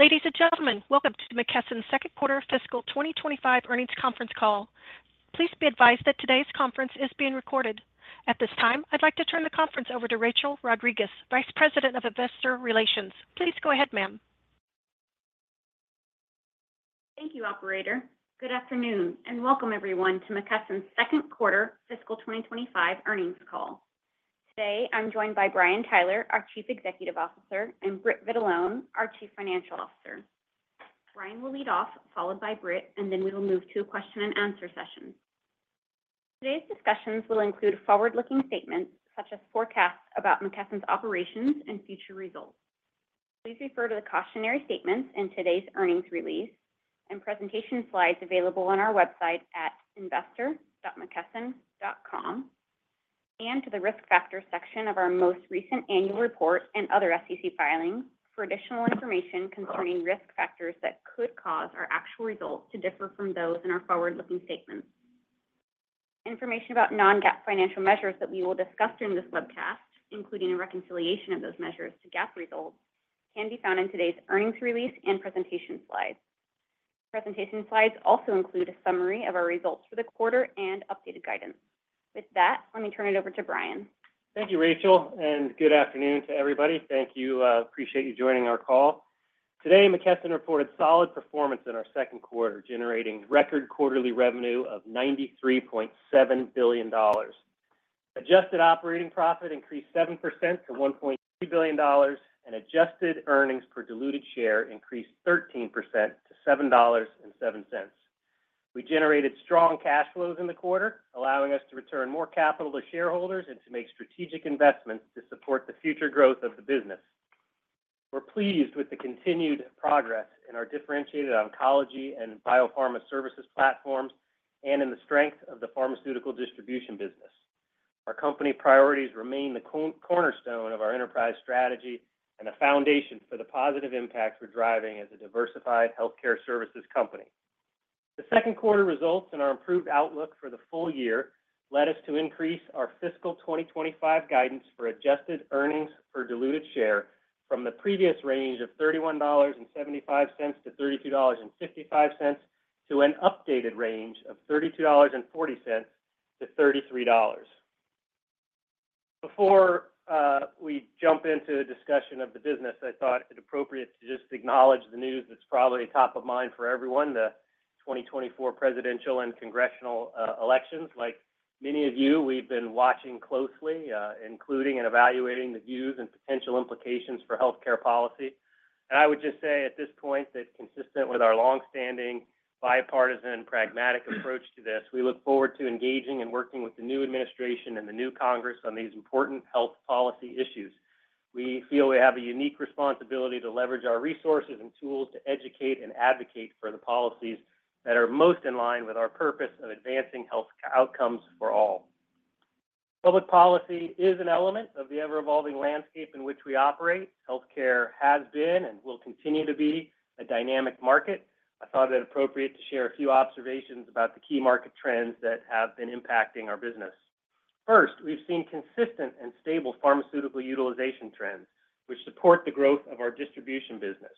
Ladies and gentlemen, welcome to McKesson's Second Quarter Fiscal 2025 Earnings Conference Call. Please be advised that today's conference is being recorded. At this time, I'd like to turn the conference over to Rachel Rodriguez, Vice President of Investor Relations. Please go ahead, ma'am. Thank you, Operator. Good afternoon and welcome, everyone, to McKesson's Second Quarter Fiscal 2025 Earnings Call. Today, I'm joined by Brian Tyler, our Chief Executive Officer, and Britt Vitalone, our Chief Financial Officer. Brian will lead off, followed by Britt, and then we will move to a question-and-answer session. Today's discussions will include forward-looking statements such as forecasts about McKesson's operations and future results. Please refer to the cautionary statements in today's earnings release and presentation slides available on our website at investor.mckesson.com and to the risk factors section of our most recent annual report and other SEC filings for additional information concerning risk factors that could cause our actual results to differ from those in our forward-looking statements. Information about non-GAAP financial measures that we will discuss during this webcast, including a reconciliation of those measures to GAAP results, can be found in today's earnings release and presentation slides. Presentation slides also include a summary of our results for the quarter and updated guidance. With that, let me turn it over to Brian. Thank you, Rachel, and good afternoon to everybody. Thank you. I appreciate you joining our call. Today, McKesson reported solid performance in our second quarter, generating record quarterly revenue of $93.7 billion. Adjusted operating profit increased 7% to $1.2 billion, and adjusted earnings per diluted share increased 13% to $7.07. We generated strong cash flows in the quarter, allowing us to return more capital to shareholders and to make strategic investments to support the future growth of the business. We're pleased with the continued progress in our differentiated oncology and biopharma services platforms and in the strength of the pharmaceutical distribution business. Our company priorities remain the cornerstone of our enterprise strategy and a foundation for the positive impacts we're driving as a diversified healthcare services company. The second quarter results in our improved outlook for the full year led us to increase our fiscal 2025 guidance for Adjusted Earnings Per Diluted Share from the previous range of $31.75-$32.55 to an updated range of $32.40-$33.00. Before we jump into a discussion of the business, I thought it appropriate to just acknowledge the news that's probably top of mind for everyone, the 2024 presidential and congressional elections. Like many of you, we've been watching closely, including and evaluating the views and potential implications for healthcare policy. I would just say at this point that, consistent with our longstanding bipartisan pragmatic approach to this, we look forward to engaging and working with the new administration and the new Congress on these important health policy issues. We feel we have a unique responsibility to leverage our resources and tools to educate and advocate for the policies that are most in line with our purpose of advancing health outcomes for all. Public policy is an element of the ever-evolving landscape in which we operate. Healthcare has been and will continue to be a dynamic market. I thought it appropriate to share a few observations about the key market trends that have been impacting our business. First, we've seen consistent and stable pharmaceutical utilization trends, which support the growth of our distribution business.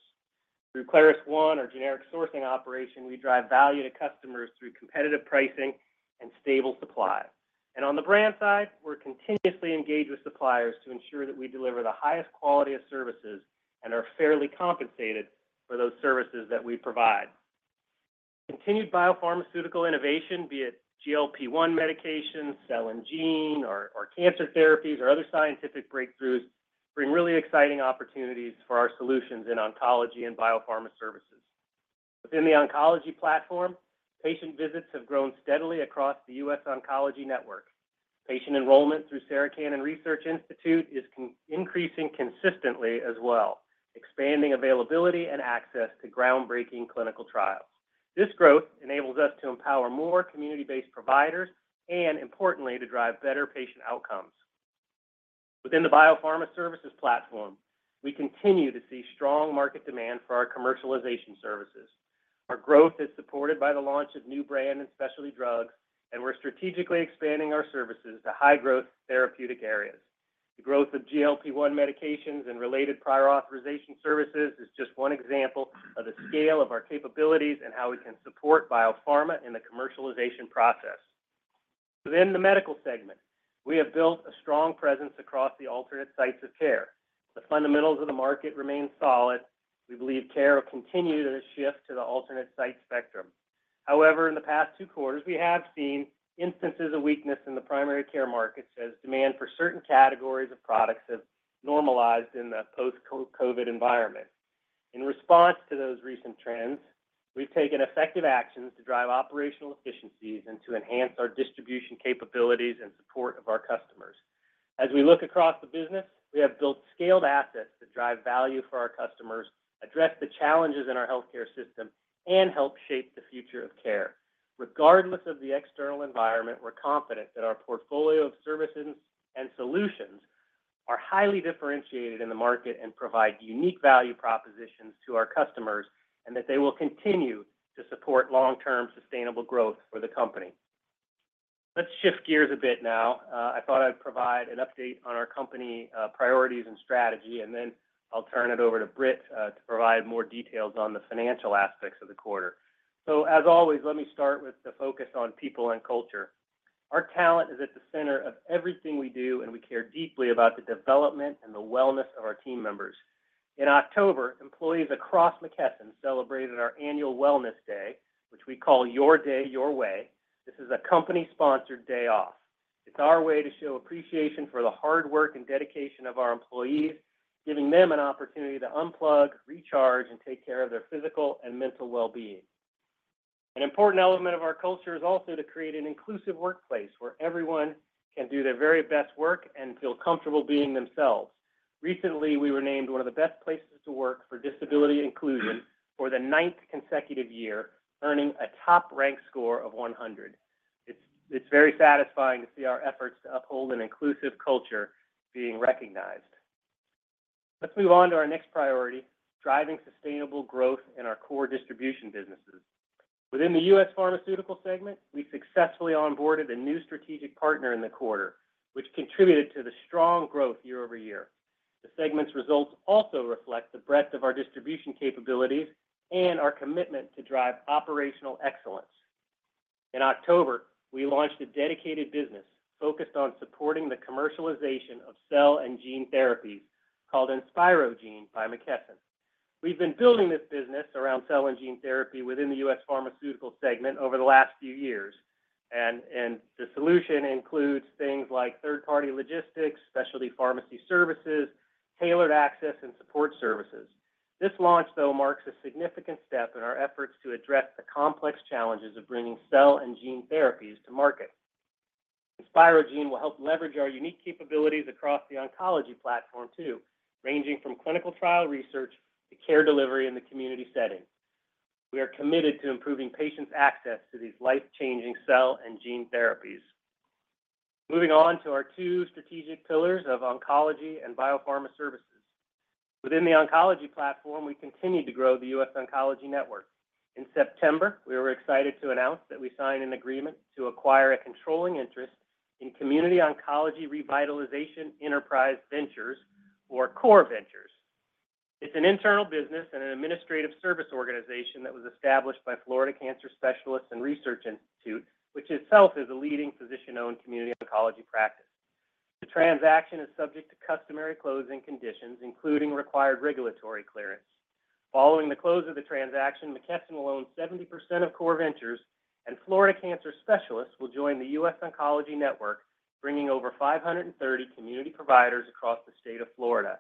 Through ClarusONE, our generic sourcing operation, we drive value to customers through competitive pricing and stable supply. And on the brand side, we're continuously engaged with suppliers to ensure that we deliver the highest quality of services and are fairly compensated for those services that we provide. Continued biopharmaceutical innovation, be it GLP-1 medications, cell and gene, or cancer therapies, or other scientific breakthroughs, bring really exciting opportunities for our solutions in oncology and biopharma services. Within the oncology platform, patient visits have grown steadily across the U.S. oncology network. Patient enrollment through Sarah Cannon Research Institute is increasing consistently as well, expanding availability and access to groundbreaking clinical trials. This growth enables us to empower more community-based providers and, importantly, to drive better patient outcomes. Within the biopharma services platform, we continue to see strong market demand for our commercialization services. Our growth is supported by the launch of new brand and specialty drugs, and we're strategically expanding our services to high-growth therapeutic areas. The growth of GLP-1 medications and related prior authorization services is just one example of the scale of our capabilities and how we can support biopharma in the commercialization process. Within the medical segment, we have built a strong presence across the alternate sites of care. The fundamentals of the market remain solid. We believe care will continue to shift to the alternate site spectrum. However, in the past two quarters, we have seen instances of weakness in the primary care markets as demand for certain categories of products has normalized in the post-COVID environment. In response to those recent trends, we've taken effective actions to drive operational efficiencies and to enhance our distribution capabilities and support of our customers. As we look across the business, we have built scaled assets that drive value for our customers, address the challenges in our healthcare system, and help shape the future of care. Regardless of the external environment, we're confident that our portfolio of services and solutions are highly differentiated in the market and provide unique value propositions to our customers and that they will continue to support long-term sustainable growth for the company. Let's shift gears a bit now. I thought I'd provide an update on our company priorities and strategy, and then I'll turn it over to Britt to provide more details on the financial aspects of the quarter so, as always, let me start with the focus on people and culture. Our talent is at the center of everything we do, and we care deeply about the development and the wellness of our team members. In October, employees across McKesson celebrated our annual Wellness Day, which we call Your Day, Your Way. This is a company-sponsored day off. It's our way to show appreciation for the hard work and dedication of our employees, giving them an opportunity to unplug, recharge, and take care of their physical and mental well-being. An important element of our culture is also to create an inclusive workplace where everyone can do their very best work and feel comfortable being themselves. Recently, we were named one of the best places to work for disability inclusion for the ninth consecutive year, earning a top-ranked score of 100. It's very satisfying to see our efforts to uphold an inclusive culture being recognized. Let's move on to our next priority: driving sustainable growth in our core distribution businesses. Within the U.S. pharmaceutical segment, we successfully onboarded a new strategic partner in the quarter, which contributed to the strong growth year-over-year. The segment's results also reflect the breadth of our distribution capabilities and our commitment to drive operational excellence. In October, we launched a dedicated business focused on supporting the commercialization of cell and gene therapies called InspireGene by McKesson. We've been building this business around cell and gene therapy within the U.S. pharmaceutical segment over the last few years, and the solution includes things like third-party logistics, specialty pharmacy services, tailored access, and support services. This launch, though, marks a significant step in our efforts to address the complex challenges of bringing cell and gene therapies to market. InspireGene will help leverage our unique capabilities across the oncology platform too, ranging from clinical trial research to care delivery in the community setting. We are committed to improving patients' access to these life-changing cell and gene therapies. Moving on to our two strategic pillars of oncology and biopharma services. Within the oncology platform, we continue to grow the U.S. oncology network. In September, we were excited to announce that we signed an agreement to acquire a controlling interest in Community Oncology Revitalization Enterprise Ventures, or CORE Ventures. It's an internal business and an administrative service organization that was established by Florida Cancer Specialists and Research Institute, which itself is a leading physician-owned community oncology practice. The transaction is subject to customary closing conditions, including required regulatory clearance. Following the close of the transaction, McKesson will own 70% of CORE Ventures, and Florida Cancer Specialists will join the U.S. oncology network, bringing over 530 community providers across the state of Florida.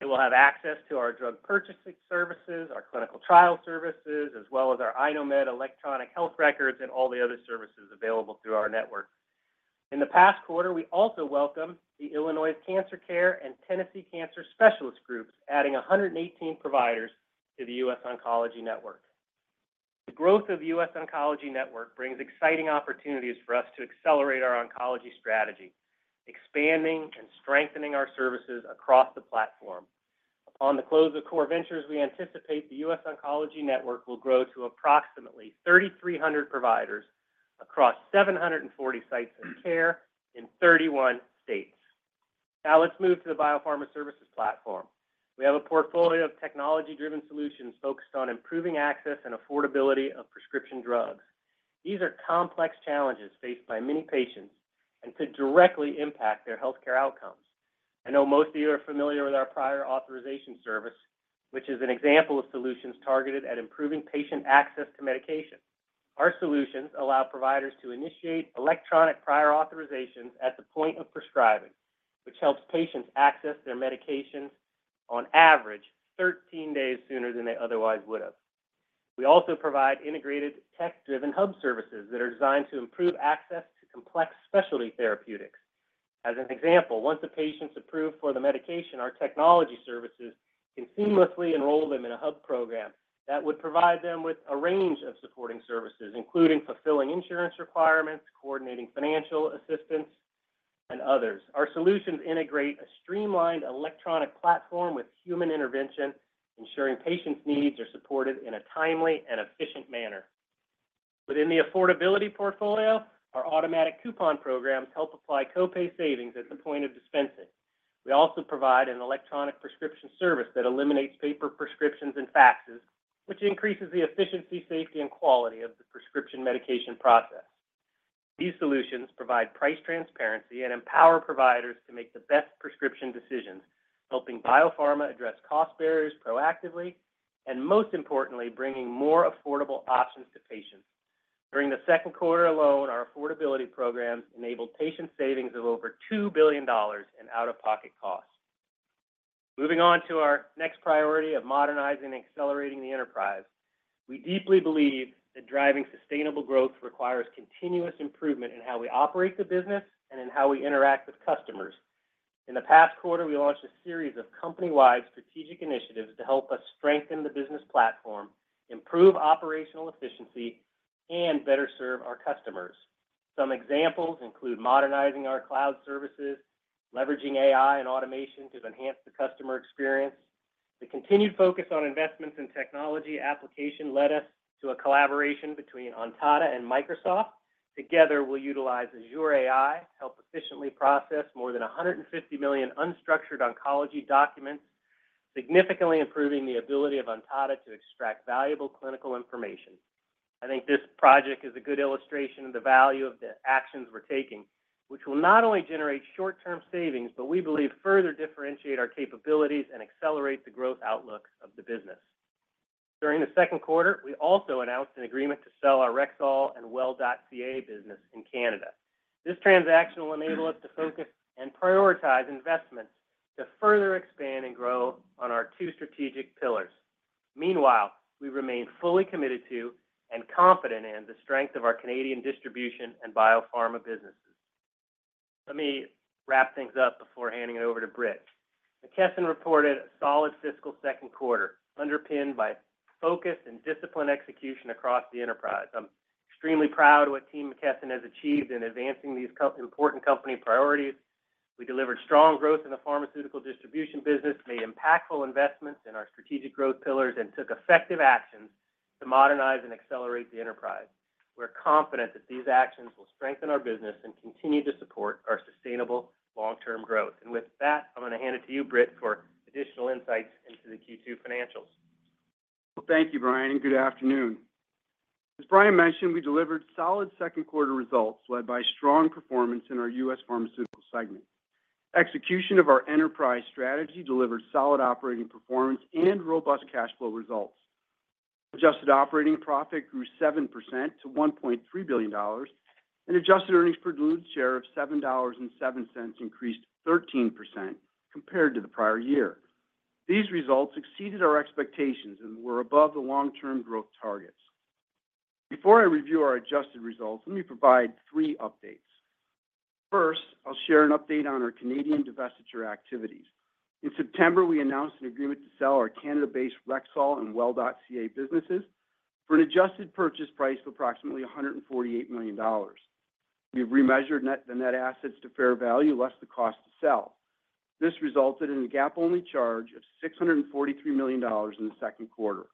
They will have access to our drug purchasing services, our clinical trial services, as well as our iKnowMed electronic health records and all the other services available through our network. In the past quarter, we also welcomed the Illinois CancerCare and Tennessee Cancer Specialists groups, adding 118 providers to the U.S. oncology network. The growth of the U.S. oncology network brings exciting opportunities for us to accelerate our oncology strategy, expanding and strengthening our services across the platform. Upon the close of CORE Ventures, we anticipate the U.S. oncology network will grow to approximately 3,300 providers across 740 sites of care in 31 states. Now, let's move to the biopharma services platform. We have a portfolio of technology-driven solutions focused on improving access and affordability of prescription drugs. These are complex challenges faced by many patients and could directly impact their healthcare outcomes. I know most of you are familiar with our prior authorization service, which is an example of solutions targeted at improving patient access to medication. Our solutions allow providers to initiate electronic prior authorizations at the point of prescribing, which helps patients access their medications on average 13 days sooner than they otherwise would have. We also provide integrated tech-driven hub services that are designed to improve access to complex specialty therapeutics. As an example, once a patient's approved for the medication, our technology services can seamlessly enroll them in a hub program that would provide them with a range of supporting services, including fulfilling insurance requirements, coordinating financial assistance, and others. Our solutions integrate a streamlined electronic platform with human intervention, ensuring patients' needs are supported in a timely and efficient manner. Within the affordability portfolio, our automatic coupon programs help apply copay savings at the point of dispensing. We also provide an electronic prescription service that eliminates paper prescriptions and faxes, which increases the efficiency, safety, and quality of the prescription medication process. These solutions provide price transparency and empower providers to make the best prescription decisions, helping biopharma address cost barriers proactively and, most importantly, bringing more affordable options to patients. During the second quarter alone, our affordability programs enabled patient savings of over $2 billion in out-of-pocket costs. Moving on to our next priority of modernizing and accelerating the enterprise, we deeply believe that driving sustainable growth requires continuous improvement in how we operate the business and in how we interact with customers. In the past quarter, we launched a series of company-wide strategic initiatives to help us strengthen the business platform, improve operational efficiency, and better serve our customers. Some examples include modernizing our cloud services, leveraging AI and automation to enhance the customer experience. The continued focus on investments in technology application led us to a collaboration between Ontada and Microsoft. Together, we'll utilize Azure AI to help efficiently process more than 150 million unstructured oncology documents, significantly improving the ability of Ontada to extract valuable clinical information. I think this project is a good illustration of the value of the actions we're taking, which will not only generate short-term savings, but we believe further differentiate our capabilities and accelerate the growth outlook of the business. During the second quarter, we also announced an agreement to sell our Rexall and Well.ca business in Canada. This transaction will enable us to focus and prioritize investments to further expand and grow on our two strategic pillars. Meanwhile, we remain fully committed to and confident in the strength of our Canadian distribution and biopharma businesses. Let me wrap things up before handing it over to Britt. McKesson reported a solid fiscal second quarter, underpinned by focused and disciplined execution across the enterprise. I'm extremely proud of what Team McKesson has achieved in advancing these important company priorities. We delivered strong growth in the pharmaceutical distribution business, made impactful investments in our strategic growth pillars, and took effective actions to modernize and accelerate the enterprise. We're confident that these actions will strengthen our business and continue to support our sustainable long-term growth. And with that, I'm going to hand it to you, Britt, for additional insights into the Q2 financials. Thank you, Brian, and good afternoon. As Brian mentioned, we delivered solid second quarter results led by strong performance in our U.S. pharmaceutical segment. Execution of our enterprise strategy delivered solid operating performance and robust cash flow results. Adjusted operating profit grew 7% to $1.3 billion, and adjusted earnings per diluted share of $7.07 increased 13% compared to the prior year. These results exceeded our expectations and were above the long-term growth targets. Before I review our adjusted results, let me provide three updates. First, I'll share an update on our Canadian divestiture activities. In September, we announced an agreement to sell our Canada-based Rexall and Well.ca businesses for an adjusted purchase price of approximately $148 million. We've remeasured the net assets to fair value less the cost to sell. This resulted in a GAAP-only charge of $643 million in the second quarter.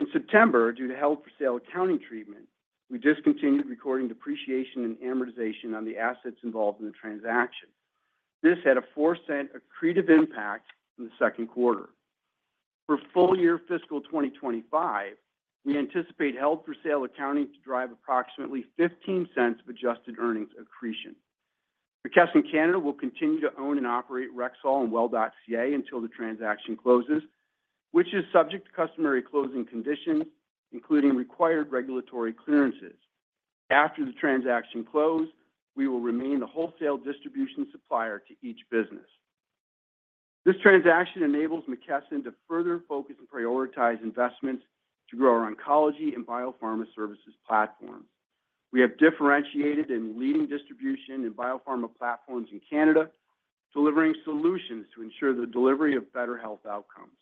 In September, due to held-for-sale accounting treatment, we discontinued recording depreciation and amortization on the assets involved in the transaction. This had a $0.04 accretive impact in the second quarter. For full year fiscal 2025, we anticipate held-for-sale accounting to drive approximately $0.15 of adjusted earnings accretion. McKesson Canada will continue to own and operate Rexall and Well.ca until the transaction closes, which is subject to customary closing conditions, including required regulatory clearances. After the transaction close, we will remain the wholesale distribution supplier to each business. This transaction enables McKesson to further focus and prioritize investments to grow our oncology and biopharma services platforms. We have differentiated in leading distribution and biopharma platforms in Canada, delivering solutions to ensure the delivery of better health outcomes.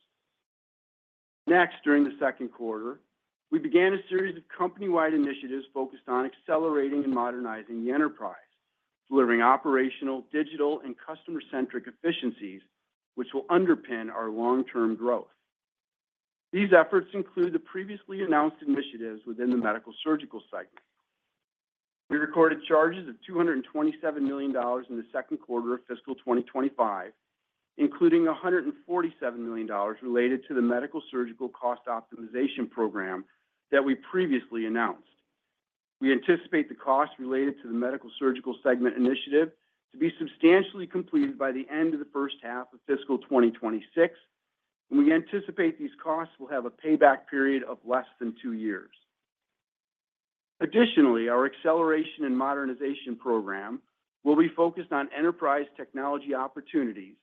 Next, during the second quarter, we began a series of company-wide initiatives focused on accelerating and modernizing the enterprise, delivering operational, digital, and customer-centric efficiencies, which will underpin our long-term growth. These efforts include the previously announced initiatives within the medical-surgical segment. We recorded charges of $227 million in the second quarter of fiscal 2025, including $147 million related to the medical-surgical cost optimization program that we previously announced. We anticipate the costs related to the medical-surgical segment initiative to be substantially completed by the end of the first half of fiscal 2026, and we anticipate these costs will have a payback period of less than two years. Additionally, our acceleration and modernization program will be focused on enterprise technology opportunities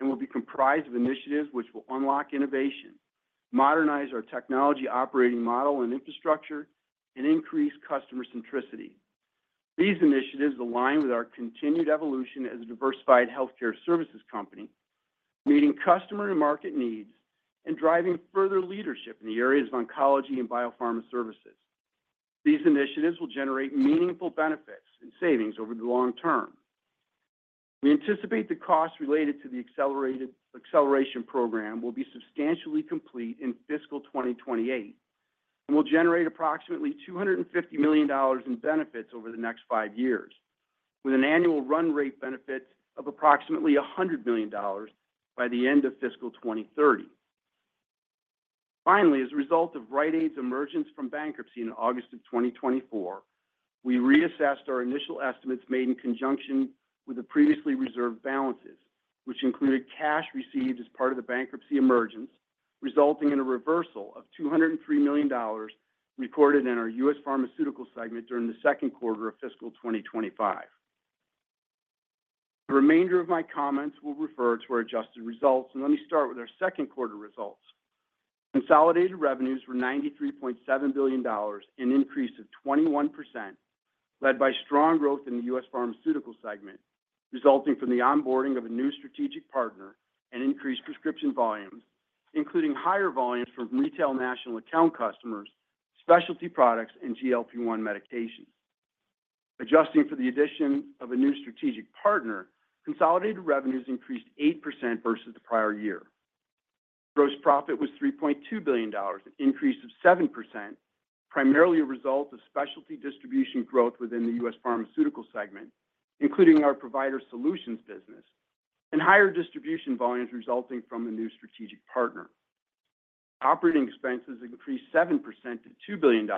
and will be comprised of initiatives which will unlock innovation, modernize our technology operating model and infrastructure, and increase customer centricity. These initiatives align with our continued evolution as a diversified healthcare services company, meeting customer and market needs and driving further leadership in the areas of oncology and biopharma services. These initiatives will generate meaningful benefits and savings over the long term. We anticipate the costs related to the acceleration program will be substantially complete in fiscal 2028 and will generate approximately $250 million in benefits over the next five years, with an annual run rate benefit of approximately $100 million by the end of fiscal 2030. Finally, as a result of Rite Aid's emergence from bankruptcy in August of 2024, we reassessed our initial estimates made in conjunction with the previously reserved balances, which included cash received as part of the bankruptcy emergence, resulting in a reversal of $203 million recorded in our U.S. pharmaceutical segment during the second quarter of fiscal 2025. The remainder of my comments will refer to our adjusted results, and let me start with our second quarter results. Consolidated revenues were $93.7 billion, an increase of 21%, led by strong growth in the U.S. Pharmaceutical segment, resulting from the onboarding of a new strategic partner and increased prescription volumes, including higher volumes from retail national account customers, specialty products, and GLP-1 medications. Adjusting for the addition of a new strategic partner, consolidated revenues increased 8% versus the prior year. Gross profit was $3.2 billion, an increase of 7%, primarily a result of specialty distribution growth within the U.S. pharmaceutical segment, including our provider solutions business, and higher distribution volumes resulting from the new strategic partner. Operating expenses increased 7% to $2 billion,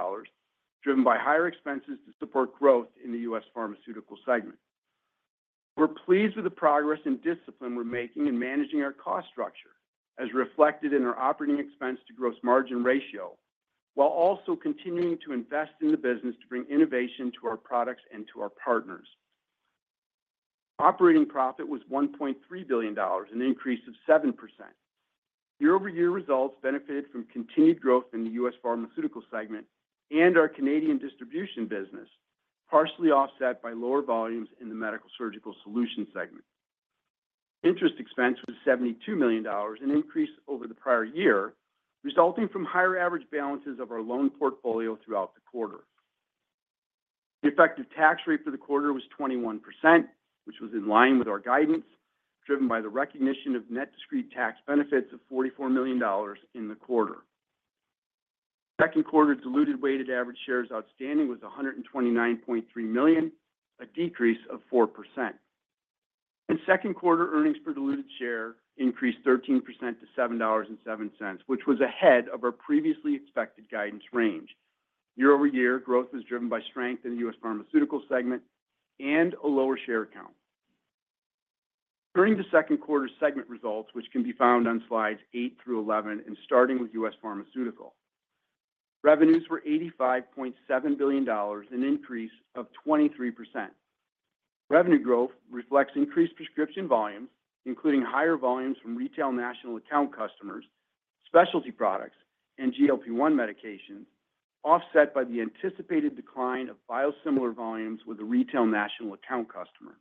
driven by higher expenses to support growth in the U.S. pharmaceutical segment. We're pleased with the progress and discipline we're making in managing our cost structure, as reflected in our operating expense to gross margin ratio, while also continuing to invest in the business to bring innovation to our products and to our partners. Operating profit was $1.3 billion, an increase of 7%. Year-over-year results benefited from continued growth in the U.S. pharmaceutical segment and our Canadian distribution business, partially offset by lower volumes in the medical-surgical solution segment. Interest expense was $72 million, an increase over the prior year, resulting from higher average balances of our loan portfolio throughout the quarter. The effective tax rate for the quarter was 21%, which was in line with our guidance, driven by the recognition of net discrete tax benefits of $44 million in the quarter. Second quarter diluted weighted average shares outstanding was 129.3 million, a decrease of 4%. In second quarter, earnings per diluted share increased 13% to $7.07, which was ahead of our previously expected guidance range. Year-over-year growth was driven by strength in the U.S. pharmaceutical segment and a lower share count. During the second quarter segment results, which can be found on slides eight through 11 and starting with U.S. pharmaceutical, revenues were $85.7 billion, an increase of 23%. Revenue growth reflects increased prescription volumes, including higher volumes from retail national account customers, specialty products, and GLP-1 medications, offset by the anticipated decline of biosimilar volumes with a retail national account customer.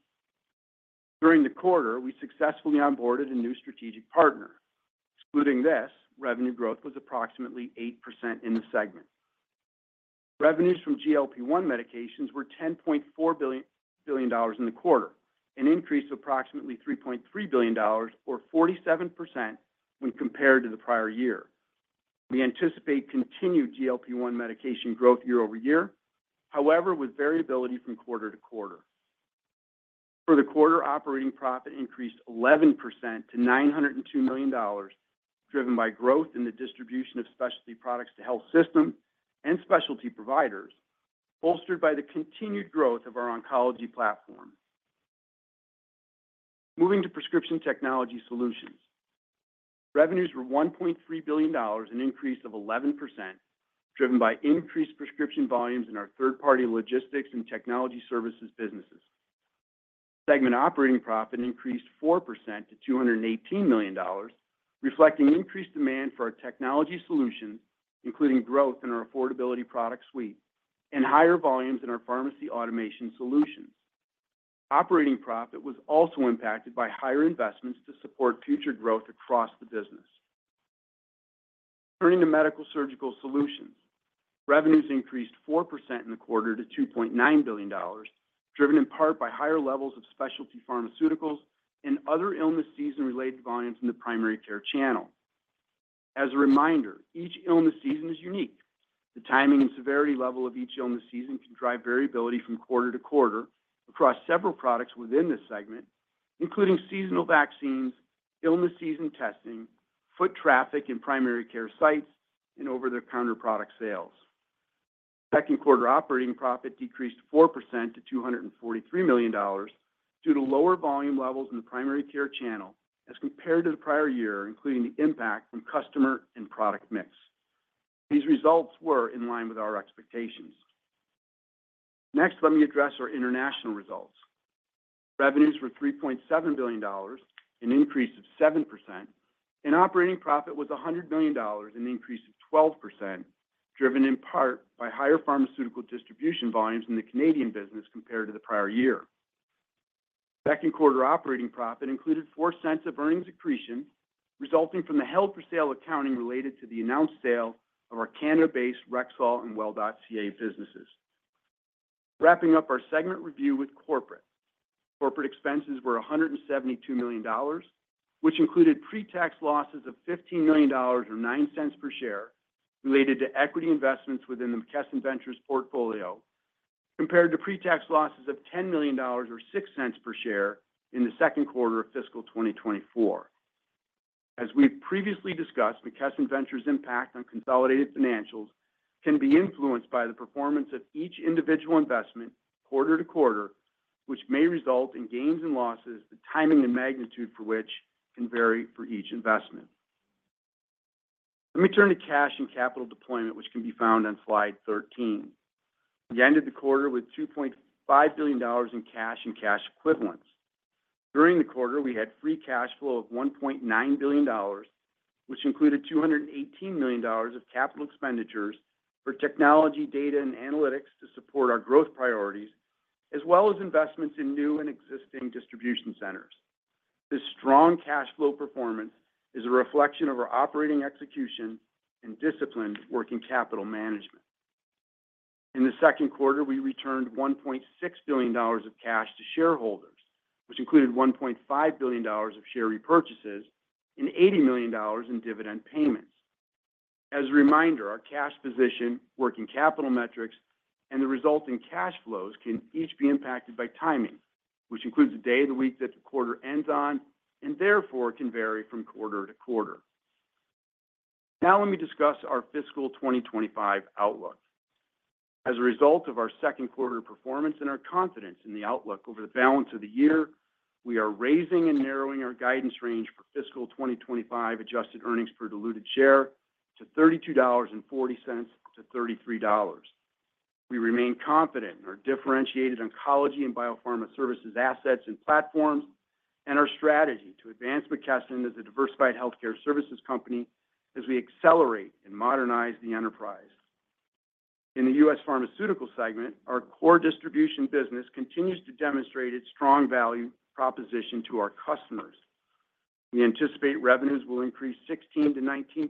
During the quarter, we successfully onboarded a new strategic partner. Excluding this, revenue growth was approximately 8% in the segment. Revenues from GLP-1 medications were $10.4 billion in the quarter, an increase of approximately $3.3 billion, or 47% when compared to the prior year. We anticipate continued GLP-1 medication growth year-over-year, however, with variability from quarter to quarter. For the quarter, operating profit increased 11% to $902 million, driven by growth in the distribution of specialty products to health systems and specialty providers, bolstered by the continued growth of our oncology platform. Moving to prescription technology solutions, revenues were $1.3 billion, an increase of 11%, driven by increased prescription volumes in our third-party logistics and technology services businesses. Segment operating profit increased 4% to $218 million, reflecting increased demand for our technology solutions, including growth in our affordability product suite and higher volumes in our pharmacy automation solutions. Operating profit was also impacted by higher investments to support future growth across the business. Turning to medical-surgical solutions, revenues increased 4% in the quarter to $2.9 billion, driven in part by higher levels of specialty pharmaceuticals and other illness season-related volumes in the primary care channel. As a reminder, each illness season is unique. The timing and severity level of each illness season can drive variability from quarter to quarter across several products within this segment, including seasonal vaccines, illness season testing, foot traffic in primary care sites, and over-the-counter product sales. Second quarter operating profit decreased 4% to $243 million due to lower volume levels in the primary care channel as compared to the prior year, including the impact from customer and product mix. These results were in line with our expectations. Next, let me address our international results. Revenues were $3.7 billion, an increase of 7%, and operating profit was $100 million, an increase of 12%, driven in part by higher pharmaceutical distribution volumes in the Canadian business compared to the prior year. Second quarter operating profit included $0.04 of earnings accretion, resulting from the held-for-sale accounting related to the announced sale of our Canada-based Rexall and Well.ca businesses. Wrapping up our segment review with corporate, corporate expenses were $172 million, which included pre-tax losses of $15 million or $0.09 per share related to equity investments within the McKesson Ventures portfolio, compared to pre-tax losses of $10 million or $0.06 per share in the second quarter of fiscal 2024. As we've previously discussed, McKesson Ventures' impact on consolidated financials can be influenced by the performance of each individual investment quarter to quarter, which may result in gains and losses, the timing and magnitude for which can vary for each investment. Let me turn to cash and capital deployment, which can be found on slide 13. We ended the quarter with $2.5 billion in cash and cash equivalents. During the quarter, we had free cash flow of $1.9 billion, which included $218 million of capital expenditures for technology, data, and analytics to support our growth priorities, as well as investments in new and existing distribution centers. This strong cash flow performance is a reflection of our operating execution and disciplined working capital management. In the second quarter, we returned $1.6 billion of cash to shareholders, which included $1.5 billion of share repurchases and $80 million in dividend payments. As a reminder, our cash position, working capital metrics, and the resulting cash flows can each be impacted by timing, which includes the day of the week that the quarter ends on and therefore can vary from quarter to quarter. Now let me discuss our fiscal 2025 outlook. As a result of our second quarter performance and our confidence in the outlook over the balance of the year, we are raising and narrowing our guidance range for fiscal 2025 Adjusted Earnings Per Diluted Share to $32.40-$33. We remain confident in our differentiated oncology and biopharma services assets and platforms and our strategy to advance McKesson as a diversified healthcare services company as we accelerate and modernize the enterprise. In the U.S. pharmaceutical segment, our core distribution business continues to demonstrate its strong value proposition to our customers. We anticipate revenues will increase 16%-19%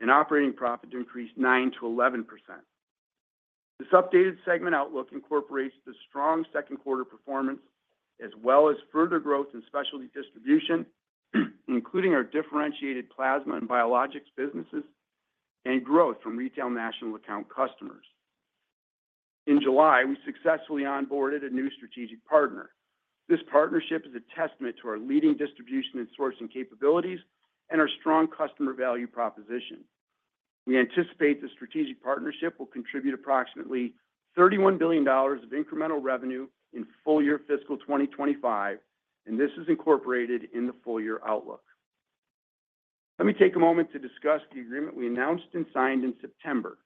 and operating profit to increase 9%-11%. This updated segment outlook incorporates the strong second quarter performance as well as further growth in specialty distribution, including our differentiated plasma and biologics businesses and growth from retail national account customers. In July, we successfully onboarded a new strategic partner. This partnership is a testament to our leading distribution and sourcing capabilities and our strong customer value proposition. We anticipate the strategic partnership will contribute approximately $31 billion of incremental revenue in full year fiscal 2025, and this is incorporated in the full year outlook. Let me take a moment to discuss the agreement we announced and signed in September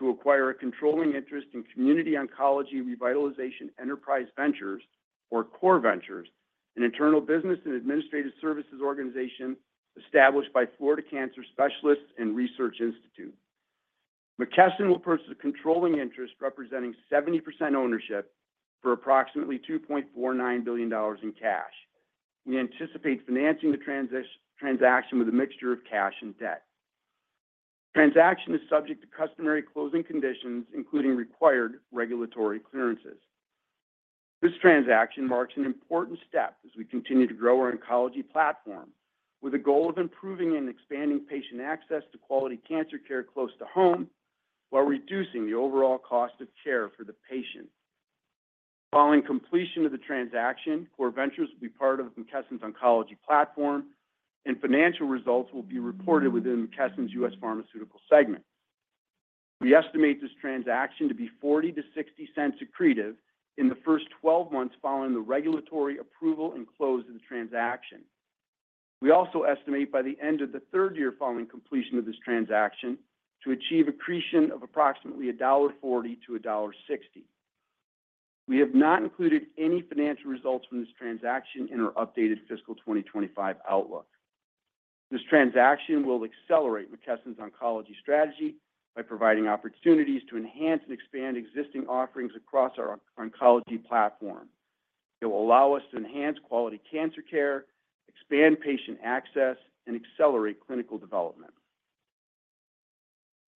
to acquire a controlling interest in Community Oncology Revitalization Enterprise Ventures, or CORE Ventures, an internal business and administrative services organization established by Florida Cancer Specialists and Research Institute. McKesson will purchase a controlling interest representing 70% ownership for approximately $2.49 billion in cash. We anticipate financing the transaction with a mixture of cash and debt. The transaction is subject to customary closing conditions, including required regulatory clearances. This transaction marks an important step as we continue to grow our oncology platform with the goal of improving and expanding patient access to quality cancer care close to home while reducing the overall cost of care for the patient. Following completion of the transaction, CORE Ventures will be part of McKesson's oncology platform, and financial results will be reported within McKesson's U.S. pharmaceutical segment. We estimate this transaction to be 40%-60% accretive in the first 12 months following the regulatory approval and close of the transaction. We also estimate by the end of the third year following completion of this transaction to achieve accretion of approximately $1.40-$1.60. We have not included any financial results from this transaction in our updated fiscal 2025 outlook. This transaction will accelerate McKesson's oncology strategy by providing opportunities to enhance and expand existing offerings across our oncology platform. It will allow us to enhance quality cancer care, expand patient access, and accelerate clinical development.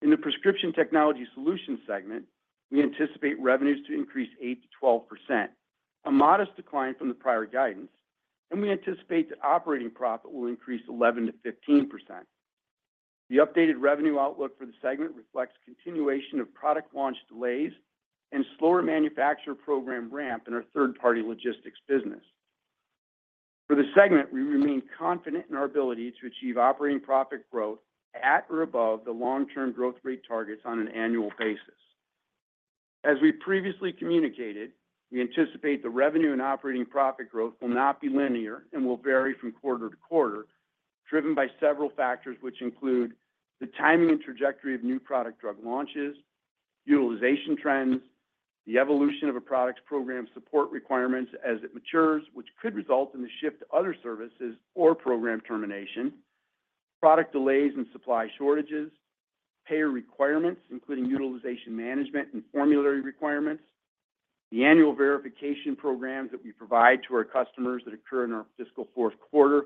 In the prescription technology solution segment, we anticipate revenues to increase 8%-12%, a modest decline from the prior guidance, and we anticipate that operating profit will increase 11%-15%. The updated revenue outlook for the segment reflects continuation of product launch delays and slower manufacturer program ramp in our third-party logistics business. For the segment, we remain confident in our ability to achieve operating profit growth at or above the long-term growth rate targets on an annual basis. As we previously communicated, we anticipate the revenue and operating profit growth will not be linear and will vary from quarter to quarter, driven by several factors, which include the timing and trajectory of new product drug launches, utilization trends, the evolution of a product's program support requirements as it matures, which could result in the shift to other services or program termination, product delays and supply shortages, payer requirements, including utilization management and formulary requirements, the annual verification programs that we provide to our customers that occur in our fiscal fourth quarter,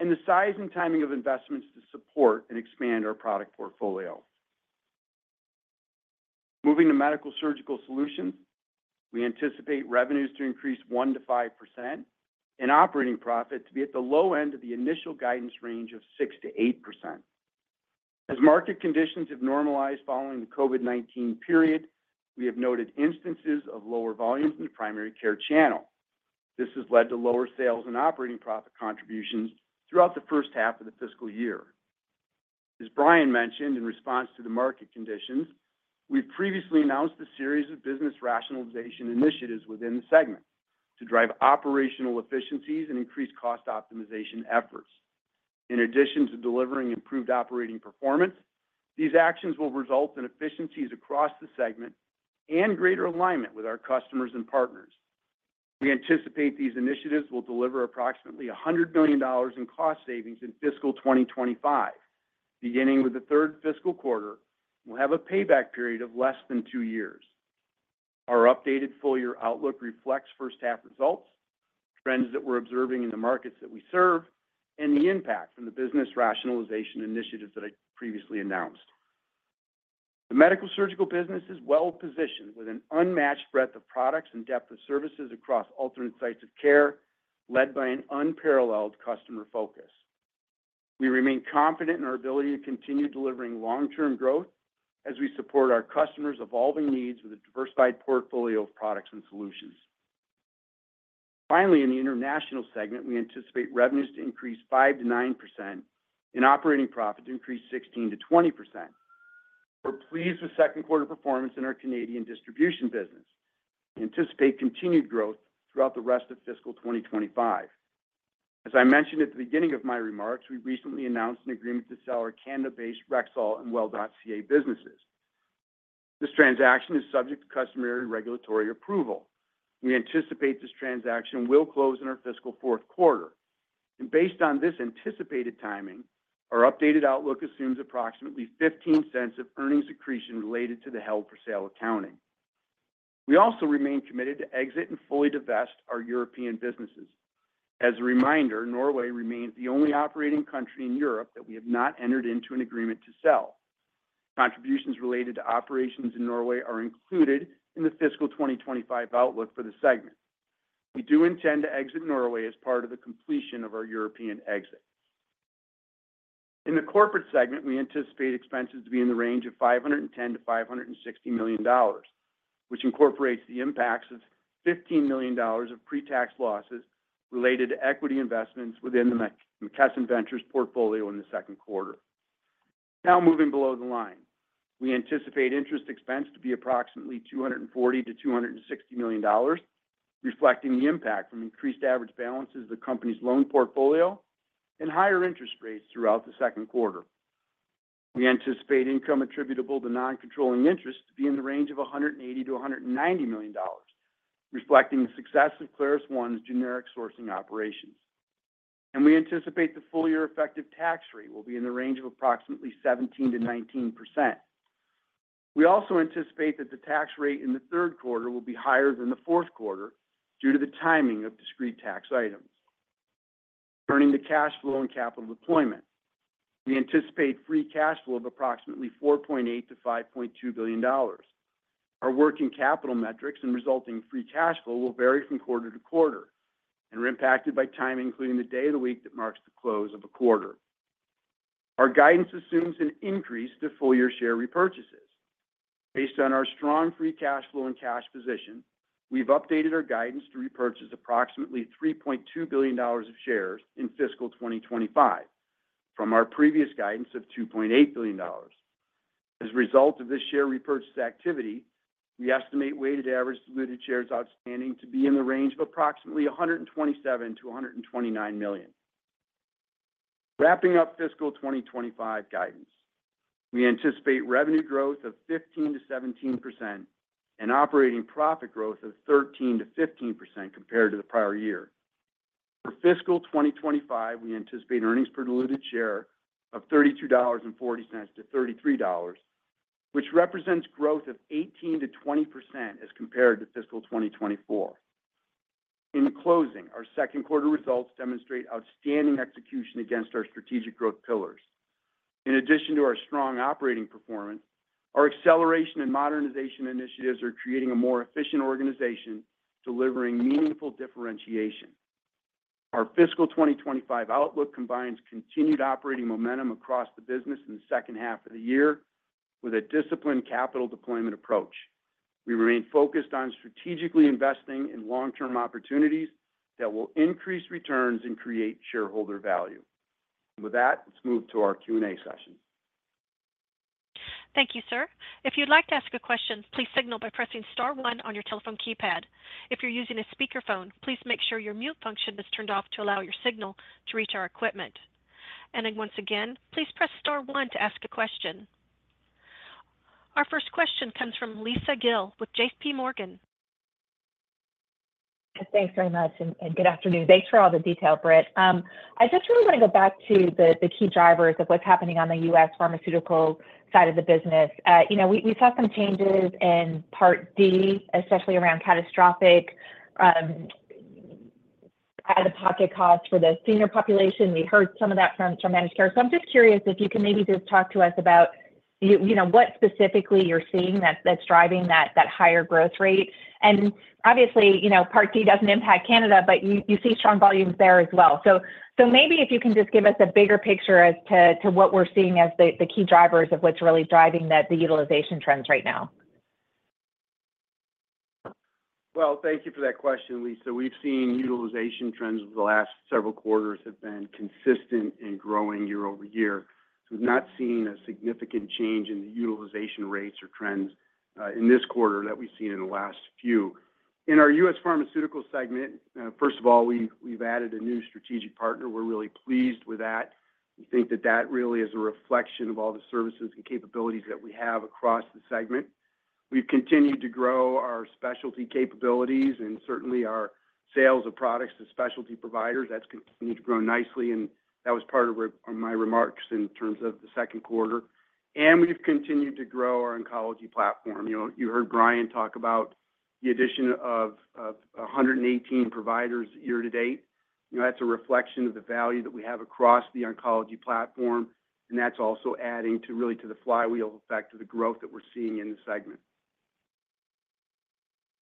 and the size and timing of investments to support and expand our product portfolio. Moving to medical-surgical solutions, we anticipate revenues to increase 1%-5% and operating profit to be at the low end of the initial guidance range of 6%-8%. As market conditions have normalized following the COVID-19 period, we have noted instances of lower volumes in the primary care channel. This has led to lower sales and operating profit contributions throughout the first half of the fiscal year. As Brian mentioned in response to the market conditions, we've previously announced a series of business rationalization initiatives within the segment to drive operational efficiencies and increase cost optimization efforts. In addition to delivering improved operating profit, these actions will result in efficiencies across the segment and greater alignment with our customers and partners. We anticipate these initiatives will deliver approximately $100 million in cost savings in fiscal 2025. Beginning with the third fiscal quarter, we'll have a payback period of less than two years. Our updated full year outlook reflects first-half results, trends that we're observing in the markets that we serve, and the impact from the business rationalization initiatives that I previously announced. The medical-surgical business is well-positioned with an unmatched breadth of products and depth of services across alternate sites of care, led by an unparalleled customer focus. We remain confident in our ability to continue delivering long-term growth as we support our customers' evolving needs with a diversified portfolio of products and solutions. Finally, in the international segment, we anticipate revenues to increase 5%-9% and operating profit to increase 16%-20%. We're pleased with second-quarter performance in our Canadian distribution business. We anticipate continued growth throughout the rest of fiscal 2025. As I mentioned at the beginning of my remarks, we recently announced an agreement to sell our Canada-based Rexall and Well.ca businesses. This transaction is subject to customary regulatory approval. We anticipate this transaction will close in our fiscal fourth quarter. Based on this anticipated timing, our updated outlook assumes approximately $0.15 of earnings accretion related to the held-for-sale accounting. We also remain committed to exit and fully divest our European businesses. As a reminder, Norway remains the only operating country in Europe that we have not entered into an agreement to sell. Contributions related to operations in Norway are included in the fiscal 2025 outlook for the segment. We do intend to exit Norway as part of the completion of our European exit. In the corporate segment, we anticipate expenses to be in the range of $510 million-$560 million, which incorporates the impacts of $15 million of pre-tax losses related to equity investments within the McKesson Ventures portfolio in the second quarter. Now moving below the line, we anticipate interest expense to be approximately $240 million-$260 million, reflecting the impact from increased average balances of the company's loan portfolio and higher interest rates throughout the second quarter. We anticipate income attributable to non-controlling interest to be in the range of $180 million-$190 million, reflecting the success of ClarusONE's generic sourcing operations. We anticipate the full year effective tax rate will be in the range of approximately 17%-19%. We also anticipate that the tax rate in the third quarter will be higher than the fourth quarter due to the timing of discrete tax items. Turning to cash flow and capital deployment, we anticipate free cash flow of approximately $4.8 billion-$5.2 billion. Our working capital metrics and resulting free cash flow will vary from quarter to quarter and are impacted by time, including the day of the week that marks the close of a quarter. Our guidance assumes an increase to full year share repurchases. Based on our strong free cash flow and cash position, we've updated our guidance to repurchase approximately $3.2 billion of shares in fiscal 2025 from our previous guidance of $2.8 billion. As a result of this share repurchase activity, we estimate weighted average diluted shares outstanding to be in the range of approximately $127 million-$129 million. Wrapping up fiscal 2025 guidance, we anticipate revenue growth of 15%-17% and operating profit growth of 13%-15% compared to the prior year. For fiscal 2025, we anticipate earnings per diluted share of $32.40-$33, which represents growth of 18%-20% as compared to fiscal 2024. In closing, our second quarter results demonstrate outstanding execution against our strategic growth pillars. In addition to our strong operating performance, our acceleration and modernization initiatives are creating a more efficient organization delivering meaningful differentiation. Our fiscal 2025 outlook combines continued operating momentum across the business in the second half of the year with a disciplined capital deployment approach. We remain focused on strategically investing in long-term opportunities that will increase returns and create shareholder value. And with that, let's move to our Q&A session. Thank you, sir. If you'd like to ask a question, please signal by pressing Star one on your telephone keypad. If you're using a speakerphone, please make sure your mute function is turned off to allow your signal to reach our equipment. And once again, please press Star 1 to ask a question. Our first question comes from Lisa Gill with JPMorgan. Thanks very much. And good afternoon. Thanks for all the detail, Britt. I just really want to go back to the key drivers of what's happening on the U.S. pharmaceutical side of the business. We saw some changes in Part D, especially around catastrophic out-of-pocket costs for the senior population. We heard some of that from managed care. So I'm just curious if you can maybe just talk to us about what specifically you're seeing that's driving that higher growth rate. And obviously, Part D doesn't impact Canada, but you see strong volumes there as well. Maybe if you can just give us a bigger picture as to what we're seeing as the key drivers of what's really driving the utilization trends right now? Thank you for that question, Lisa. We've seen utilization trends over the last several quarters have been consistent and growing year-over-year. We've not seen a significant change in the utilization rates or trends in this quarter that we've seen in the last few. In our U.S. pharmaceutical segment, first of all, we've added a new strategic partner. We're really pleased with that. We think that that really is a reflection of all the services and capabilities that we have across the segment. We've continued to grow our specialty capabilities and certainly our sales of products to specialty providers. That's continued to grow nicely. That was part of my remarks in terms of the second quarter. And we've continued to grow our oncology platform. You heard Brian talk about the addition of 118 providers year to date. That's a reflection of the value that we have across the oncology platform. And that's also adding really to the flywheel effect of the growth that we're seeing in the segment.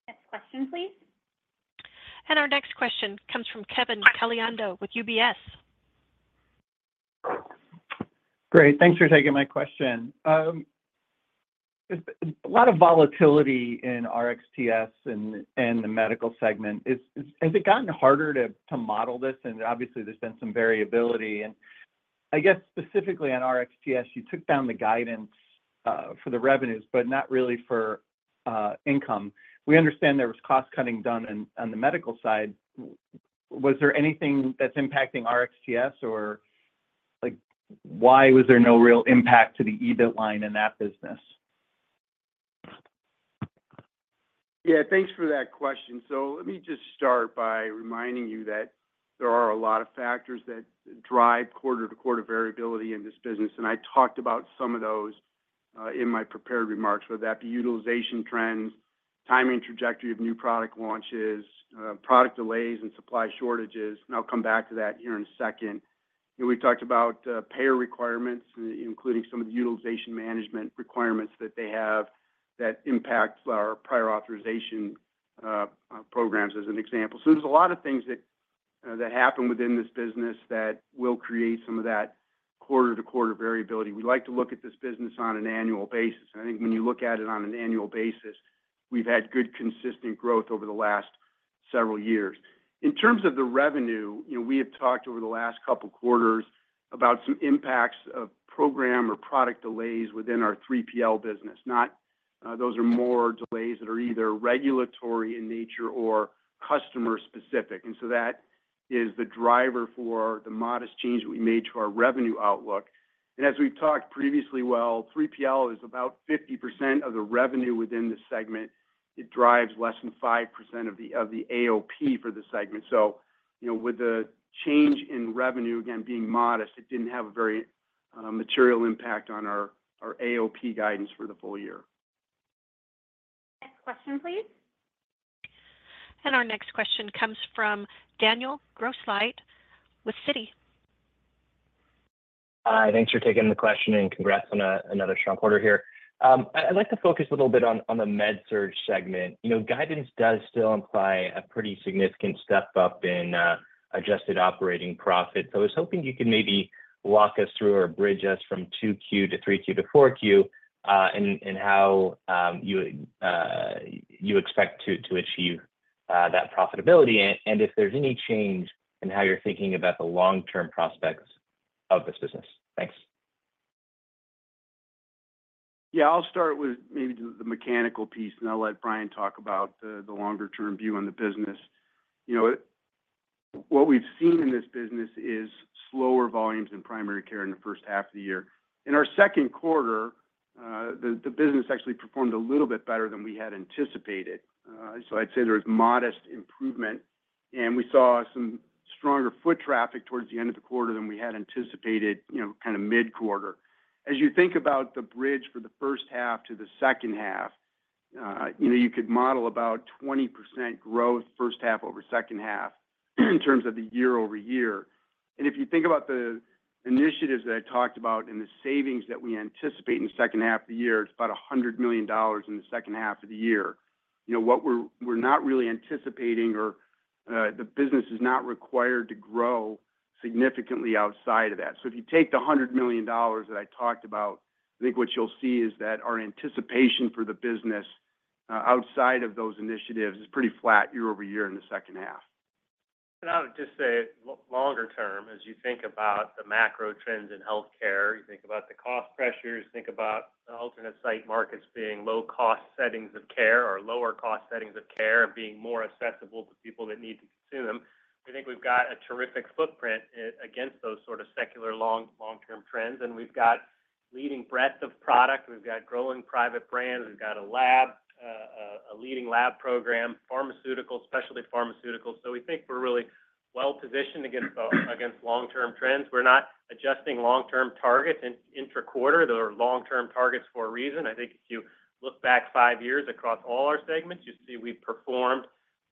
Next question, please. And our next question comes from Kevin Caliendo with UBS. Great. Thanks for taking my question. A lot of volatility in RxTS and the medical segment. Has it gotten harder to model this? And obviously, there's been some variability. And I guess specifically on RxTS, you took down the guidance for the revenues, but not really for income. We understand there was cost cutting done on the medical side. Was there anything that's impacting RxTS, or why was there no real impact to the EBIT line in that business? Yeah, thanks for that question. So let me just start by reminding you that there are a lot of factors that drive quarter-to-quarter variability in this business. And I talked about some of those in my prepared remarks, whether that be utilization trends, timing trajectory of new product launches, product delays, and supply shortages. And I'll come back to that here in a second. We've talked about payer requirements, including some of the utilization management requirements that they have that impact our prior authorization programs as an example. So there's a lot of things that happen within this business that will create some of that quarter-to-quarter variability. We'd like to look at this business on an annual basis. And I think when you look at it on an annual basis, we've had good consistent growth over the last several years. In terms of the revenue, we have talked over the last couple of quarters about some impacts of program or product delays within our 3PL business. Those are more delays that are either regulatory in nature or customer-specific. And so that is the driver for the modest change that we made to our revenue outlook. And as we've talked previously, well, 3PL is about 50% of the revenue within the segment. It drives less than 5% of the AOP for the segment. So with the change in revenue, again, being modest, it didn't have a very material impact on our AOP guidance for the full year. Next question, please. And our next question comes from Daniel Grosslight with Citi. Hi. Thanks for taking the question and congrats on another strong quarter here. I'd like to focus a little bit on the med-surg segment. Guidance does still imply a pretty significant step up in Adjusted Operating Profit. So I was hoping you could maybe walk us through or bridge us from 2Q to 3Q to 4Q and how you expect to achieve that profitability and if there's any change in how you're thinking about the long-term prospects of this business? Thanks. Yeah, I'll start with maybe the mechanical piece, and I'll let Brian talk about the longer-term view on the business. What we've seen in this business is slower volumes in primary care in the first half of the year. In our second quarter, the business actually performed a little bit better than we had anticipated. So I'd say there was modest improvement. And we saw some stronger foot traffic towards the end of the quarter than we had anticipated kind of mid-quarter. As you think about the bridge for the first half to the second half, you could model about 20% growth first half over second half in terms of the year-over-year, and if you think about the initiatives that I talked about and the savings that we anticipate in the second half of the year, it's about $100 million in the second half of the year. What we're not really anticipating or the business is not required to grow significantly outside of that, so if you take the $100 million that I talked about, I think what you'll see is that our anticipation for the business outside of those initiatives is pretty flat year-over-year in the second half. And I'll just say longer term, as you think about the macro trends in healthcare, you think about the cost pressures, you think about alternate site markets being low-cost settings of care or lower-cost settings of care and being more accessible to people that need to consume them, I think we've got a terrific footprint against those sort of secular long-term trends. And we've got leading breadth of product. We've got growing private brands. We've got a leading lab program, pharmaceutical, specialty pharmaceuticals. So we think we're really well-positioned against long-term trends. We're not adjusting long-term targets intra-quarter. There are long-term targets for a reason. I think if you look back five years across all our segments, you see we've performed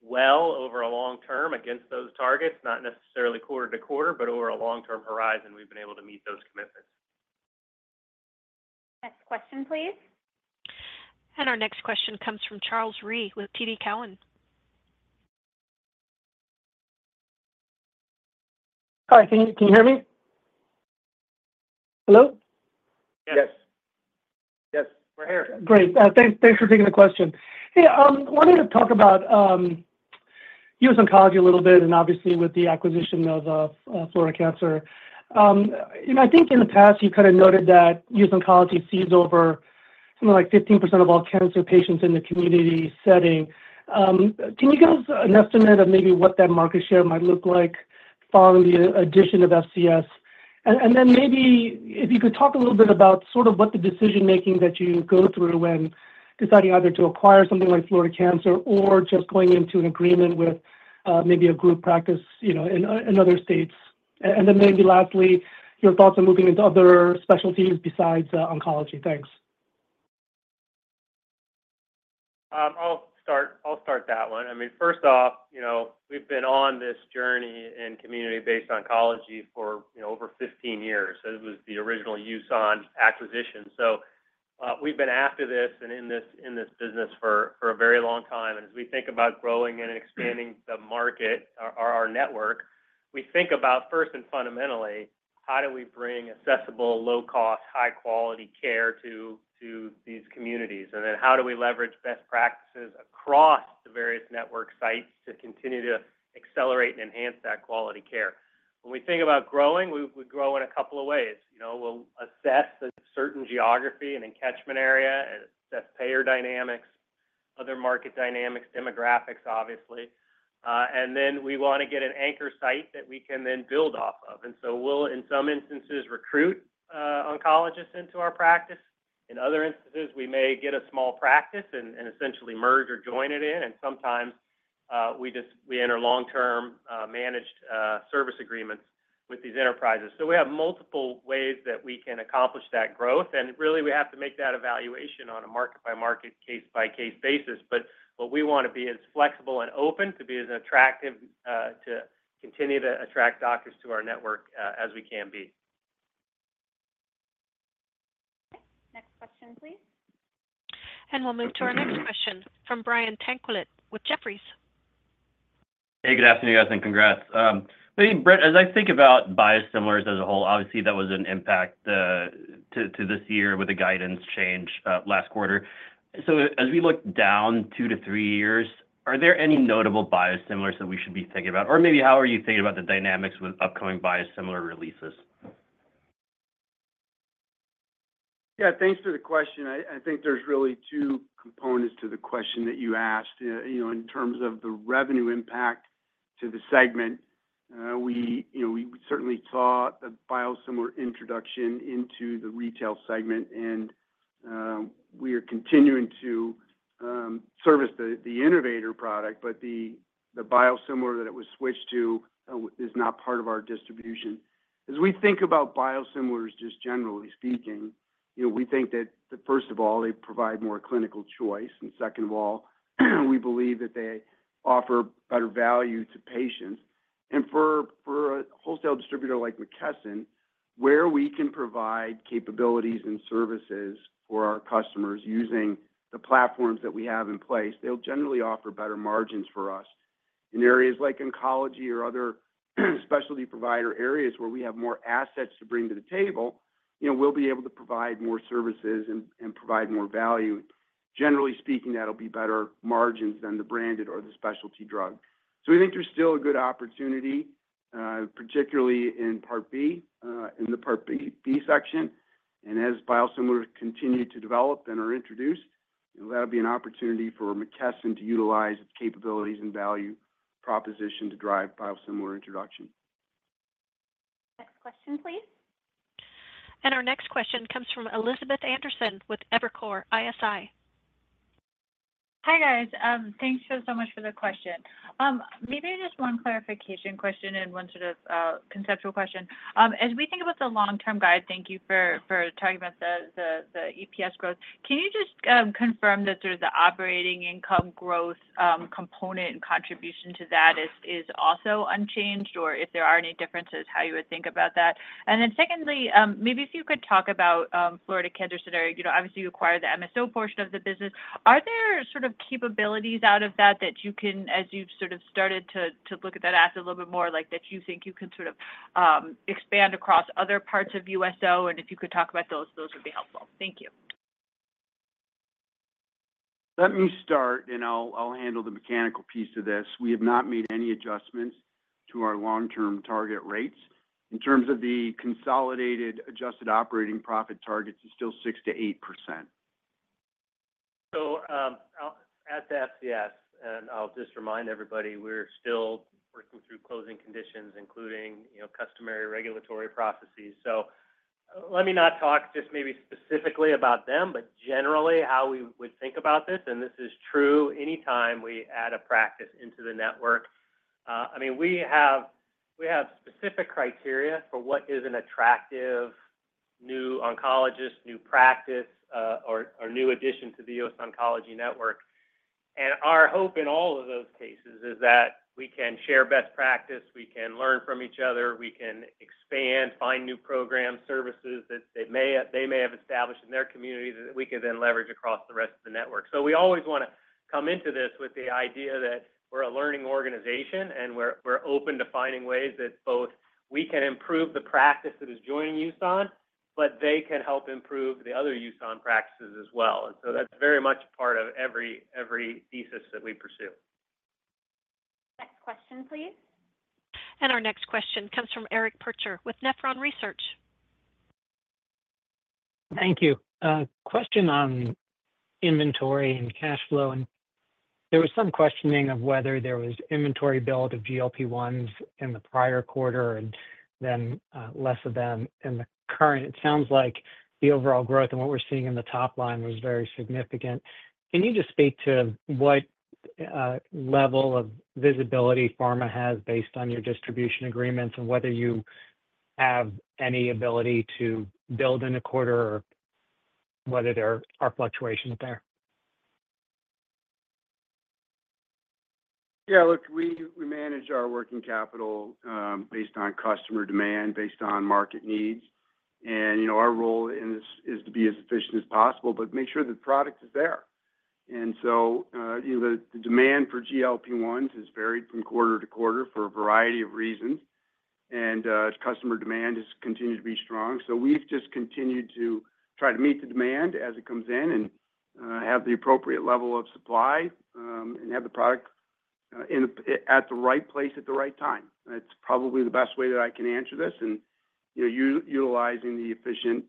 well over a long term against those targets, not necessarily quarter to quarter, but over a long-term horizon, we've been able to meet those commitments. Next question, please. Our next question comes from Charles Rhyee with TD Cowen. Hi, can you hear me? Hello? Yes. Yes. Yes. We're here. Great. Thanks for taking the question. Hey, I wanted to talk about US Oncology a little bit and obviously with the acquisition of Florida Cancer. I think in the past, you've kind of noted that US Oncology sees over something like 15% of all cancer patients in the community setting. Can you give us an estimate of maybe what that market share might look like following the addition of FCS? And then maybe if you could talk a little bit about sort of what the decision-making that you go through when deciding either to acquire something like Florida Cancer or just going into an agreement with maybe a group practice in other states. And then maybe lastly, your thoughts on moving into other specialties besides oncology. Thanks. I'll start that one. I mean, first off, we've been on this journey in community-based oncology for over 15 years. It was the original USON acquisition. So we've been after this and in this business for a very long time, and as we think about growing and expanding the market, our network, we think about first and fundamentally, how do we bring accessible, low-cost, high-quality care to these communities? And then how do we leverage best practices across the various network sites to continue to accelerate and enhance that quality care? When we think about growing, we grow in a couple of ways. We'll assess a certain geography and catchment area, assess payer dynamics, other market dynamics, demographics, obviously, and then we want to get an anchor site that we can then build off of, and so we'll, in some instances, recruit oncologists into our practice. In other instances, we may get a small practice and essentially merge or join it in. And sometimes we enter long-term managed service agreements with these enterprises. So we have multiple ways that we can accomplish that growth. And really, we have to make that evaluation on a market-by-market, case-by-case basis. But what we want to be is flexible and open to be as attractive to continue to attract doctors to our network as we can be. Next question, please. And we'll move to our next question from Brian Tanquilut with Jefferies. Hey, good afternoon, guys, and congrats. Britt, as I think about biosimilars as a whole, obviously, that was an impact to this year with the guidance change last quarter. So as we look down two-to-three years, are there any notable biosimilars that we should be thinking about? Or maybe how are you thinking about the dynamics with upcoming biosimilar releases? Yeah, thanks for the question. I think there's really two components to the question that you asked. In terms of the revenue impact to the segment, we certainly saw the biosimilar introduction into the retail segment. And we are continuing to service the innovator product, but the biosimilar that it was switched to is not part of our distribution. As we think about biosimilars, just generally speaking, we think that, first of all, they provide more clinical choice. And second of all, we believe that they offer better value to patients. And for a wholesale distributor like McKesson, where we can provide capabilities and services for our customers using the platforms that we have in place, they'll generally offer better margins for us. In areas like oncology or other specialty provider areas where we have more assets to bring to the table, we'll be able to provide more services and provide more value. Generally speaking, that'll be better margins than the branded or the specialty drug. So we think there's still a good opportunity, particularly in Part B, in the Part B section. And as biosimilars continue to develop and are introduced, that'll be an opportunity for McKesson to utilize its capabilities and value proposition to drive biosimilar introduction. Next question, please. And our next question comes from Elizabeth Anderson with Evercore ISI. Hi, guys. Thanks so much for the question. Maybe just one clarification question and one sort of conceptual question. As we think about the long-term guide, thank you for talking about the EPS growth. Can you just confirm that sort of the operating income growth component and contribution to that is also unchanged, or if there are any differences, how you would think about that? And then secondly, maybe if you could talk about Florida Cancer Specialists, obviously, you acquired the MSO portion of the business. Are there sort of capabilities out of that that you can, as you've sort of started to look at that asset a little bit more, that you think you can sort of expand across other parts of USO? And if you could talk about those, those would be helpful. Thank you. Let me start, and I'll handle the mechanical piece of this. We have not made any adjustments to our long-term target rates. In terms of the consolidated adjusted operating profit targets, it's still 6%-8%. So at that, yes. and I'll just remind everybody, we're still working through closing conditions, including customary regulatory processes. So let me not talk just maybe specifically about them, but generally how we would think about this. And this is true anytime we add a practice into the network. I mean, we have specific criteria for what is an attractive new oncologist, new practice, or new addition to the US Oncology Network. And our hope in all of those cases is that we can share best practice, we can learn from each other, we can expand, find new programs, services that they may have established in their community that we can then leverage across the rest of the network. So we always want to come into this with the idea that we're a learning organization and we're open to finding ways that both we can improve the practice that is joining USON, but they can help improve the other USON practices as well. And so that's very much a part of every thesis that we pursue. Next question, please. And our next question comes from Eric Percher with Nephron Research. Thank you. Question on inventory and cash flow. And there was some questioning of whether there was inventory build of GLP-1s in the prior quarter and then less of them in the current. It sounds like the overall growth and what we're seeing in the top line was very significant. Can you just speak to what level of visibility Pharma has based on your distribution agreements and whether you have any ability to build in a quarter or whether there are fluctuations there? Yeah, look, we manage our working capital based on customer demand, based on market needs, and our role is to be as efficient as possible, but make sure the product is there, and so the demand for GLP-1s has varied from quarter to quarter for a variety of reasons, and customer demand has continued to be strong, so we've just continued to try to meet the demand as it comes in and have the appropriate level of supply and have the product at the right place at the right time. That's probably the best way that I can answer this, and utilizing the efficient